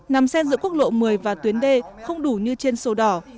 nằm xen giữa quốc lộ một mươi và tuyến d không đủ như trên sổ đỏ